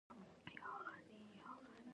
هغه یو ګرد تور مروارید راوویست.